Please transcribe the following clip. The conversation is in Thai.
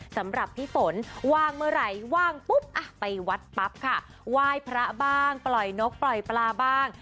สำหรับพี่ฝนว่างเมื่อไหร่ว่างปุ๊บอ่ะไปวัดปั๊บค่ะไหว้พระบ้างปล่อยนกปล่อยปลาบ้าง